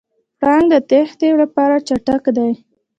پړانګ د تېښتې لپاره چټک دی.